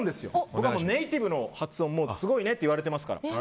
僕はネイティブの発音すごいねって言われてますから。